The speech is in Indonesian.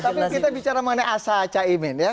tapi kita bicara mengenai asa caimin ya